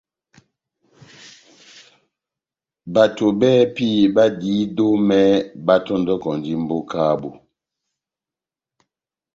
Bato bɛ́hɛ́pi badiyidi omɛ batɔndɔkɔndi mbóka yabu.